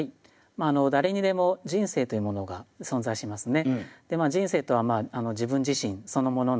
誰にでも人生というものが存在しますね。